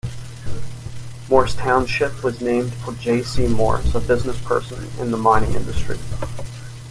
Morse Township was named for J. C. Morse, a businessperson in the mining industry.